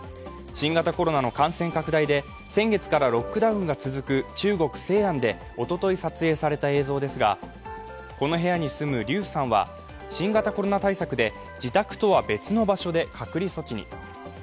新型コロナの感染拡大で先月からロックダウンが続く中国・西安でおととい撮影された映像ですが、この部屋に住む劉さんは、新型コロナ対策で自宅とは別の場所で隔離措置に。